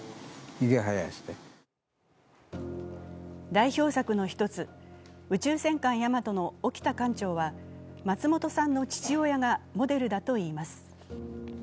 代表作の一つ、「宇宙戦艦ヤマト」の沖田艦長は松本さんの父親がモデルだといいます。